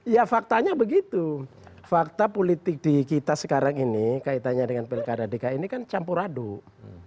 ya faktanya begitu fakta politik di kita sekarang ini kaitannya dengan pilkada dki ini kan campur aduk